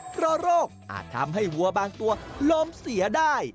เพราะโรคอาจทำให้วัวบางตัวล้มเสียได้